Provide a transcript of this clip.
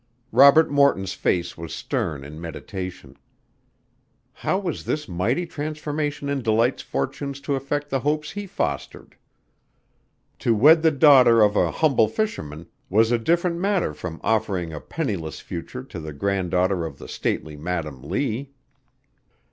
Robert Morton's face was stern in meditation. How was this mighty transformation in Delight's fortunes to affect the hopes he fostered? To wed the daughter of a humble fisherman was a different matter from offering a penniless future to the grand daughter of the stately Madam Lee.